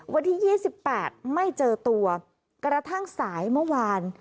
วันที่๒๘ไม่เจอตัวกระทั่งสายเมื่อวาน